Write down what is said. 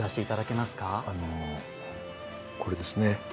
あのこれですね。